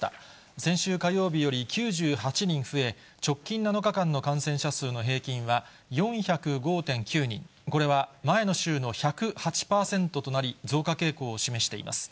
先週火曜日より９８人増え、直近７日間の感染者数の平均は４０５．９人、これは前の週の１０８％となり、増加傾向を示しています。